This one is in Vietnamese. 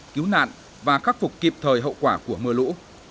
cứu nạn và khắc phục kịp thời hậu quả của mưa lũ